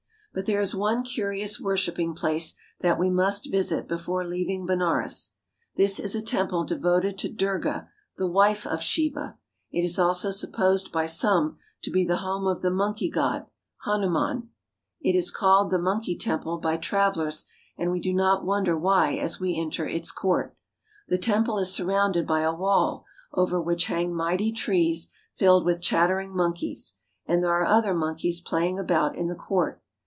But there is one curious worshiping place that we must visit before leaving Benares. This is a temple devoted to Durga, the wife of Shiva. It is also supposed by some to be the home of the monkey god, Hanuman. It is called " But there is one curious worshiping place." the Monkey Temple by travelers, and we do not wonder why as we enter its court. The temple is surrounded by a wall over which hang mighty trees filled with chattering monkeys, and there are other monkeys playing about in the court.